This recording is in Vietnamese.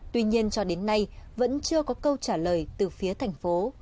tuy nhiên cho đến nay vẫn chưa có câu trả lời từ phía thành phố